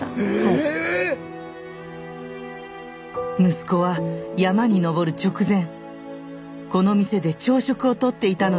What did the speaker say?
息子は山に登る直前この店で朝食をとっていたのです。